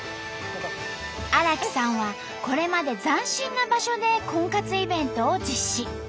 荒木さんはこれまで斬新な場所で婚活イベントを実施。